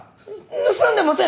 盗んでません！